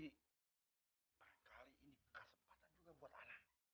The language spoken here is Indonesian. berkali ini kesempatan juga buat ana